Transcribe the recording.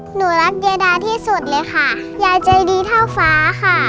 หนูรักยายดาที่สุดเลยค่ะยายใจดีเท่าฟ้าค่ะ